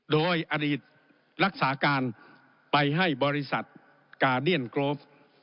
โดยอดีตรักษาการไปให้บริษัทกาเดียนกรฟ